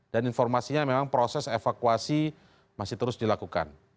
dan informasinya memang proses evakuasi masih terus dilakukan